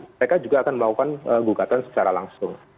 mereka juga akan melakukan gugatan secara langsung